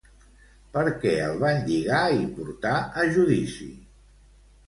Per què el van lligar i portar a judici?